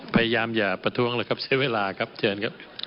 พยายามอย่าประท้วงเลยครับใช้เวลาครับเชิญครับ